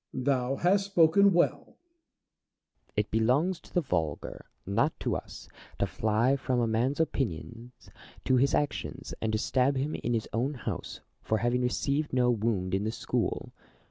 Diogenes. Thou hast spoken well DIOGENES AND PLATO. 179 Plato. It belongs to the vulgar, not to us, to fly from a man's opinions to his actions, and to stab him in his own house for having received no "wound in the school.